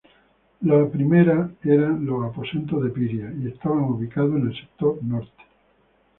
La primera eran los aposentos de Piria y estaban ubicados en el sector Norte.